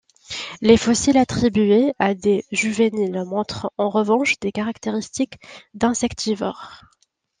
Les fossiles attribués à des juvéniles montrent en revanche des caractéristiques d'insectivores.